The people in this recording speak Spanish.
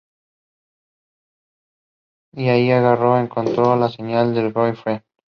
Y allí Aragorn encontró la señal de Glorfindel.